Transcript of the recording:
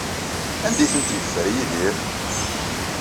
Anda ay tent-yeffer Yidir?